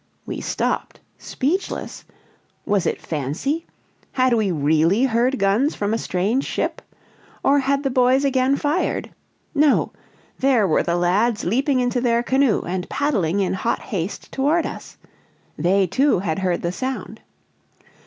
We stopped, speechless. Was it fancy? Had we really heard guns from a strange ship? Or had the boys again fired? No! there were the lads leaping into their canoe and paddling in hot haste toward us. They, too, had heard the sound.